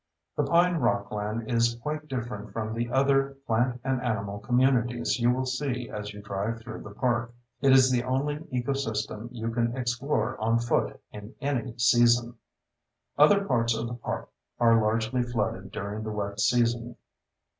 The pine rockland is quite different from the other plant and animal communities you will see as you drive through the park: it is the only ecosystem you can explore on foot in any season. Other parts of the park are largely flooded during the wet season.